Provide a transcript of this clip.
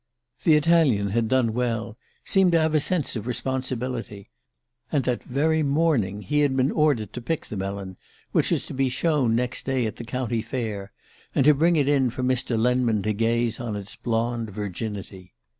The Italian had done well seemed to have a sense of responsibility. And that very morning he had been ordered to pick the melon, which was to be shown next day at the county fair, and to bring it in for Mr. Lenman to gaze on its blonde virginity.